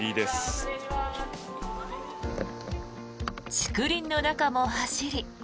竹林の中も走り